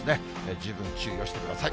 十分注意をしてください。